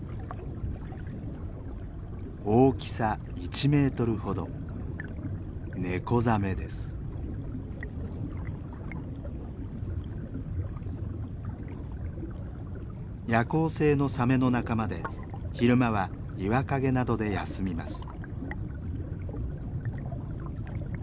大きさ１メートルほど夜行性のサメの仲間で昼間は岩陰などで休みます。